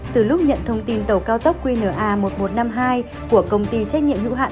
từ lúc nhận thông tin tàu cao tốc qna một nghìn một trăm năm mươi hai của công ty trách nhiệm hữu hạn